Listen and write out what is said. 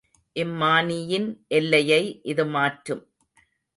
இம்மானியின் எல்லையை இது மாற்றும்.